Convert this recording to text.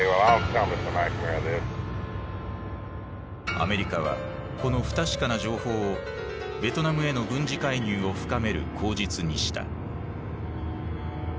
アメリカはこの不確かな情報をベトナムへの軍事介入を深める口実にした。